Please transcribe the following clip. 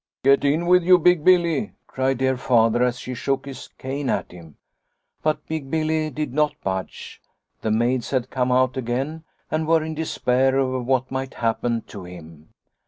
"' Get in with you, Big Billy,' cried dear Father as he shook his cane at him. But Big Billy did not budge. The maids had come out again and were in despair over what might happen to him.